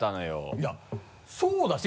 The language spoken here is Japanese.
いやそうだし。